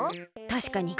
たしかに。